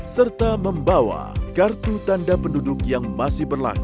serta membawa kartu tanda penduduk yang masih berlaku